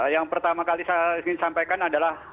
yang pertama kali saya ingin sampaikan adalah